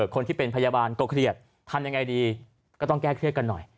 คนที่เป็นพยาบาลก็เครียดทำยังไงดีก็ต้องแก้เครียดกันหน่อย